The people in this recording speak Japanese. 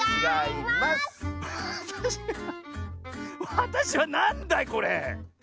わたしはなんだいこれ？